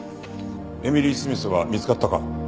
エミリー・スミスは見つかったか？